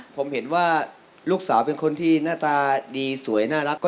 ผมเห็นว่าลูกสาวเป็นคนที่หน้าตาดีสวยน่ารัก